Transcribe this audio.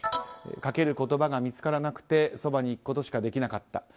かける言葉が見つからなくてそばに行くことしかできなかった。